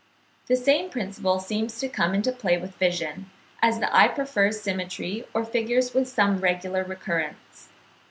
The same principle seems to come into play with vision, as the eye prefers symmetry or figures with some regular recurrence.